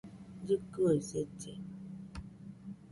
Llɨkɨe selle